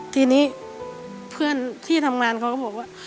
ทีนี้เพื่อนที่ทำงานเขาก็บอกว่า